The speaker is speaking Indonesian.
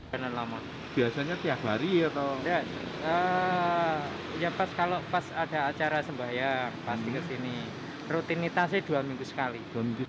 biasanya tiap hari ya pas ada acara sembahyang pasti kesini rutinitasnya dua minggu sekali